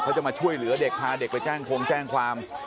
เขาจะมาช่วยเหลือเด็กพาเด็กไปแจ้งคงแจ้งความ